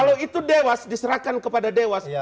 kalau itu dewasa diserahkan kepada dewasa